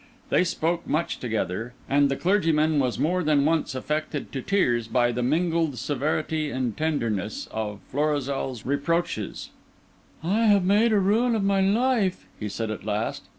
They spoke much together, and the clergyman was more than once affected to tears by the mingled severity and tenderness of Florizel's reproaches. "I have made ruin of my life," he said at last.